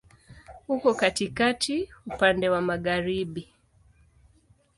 Uko katikati, upande wa magharibi.